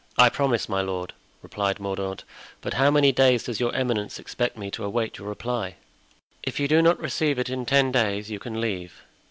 "I promise, my lord," replied Mordaunt; "but how many days does your eminence expect me to await your reply?" "If you do not receive it in ten days you can leave."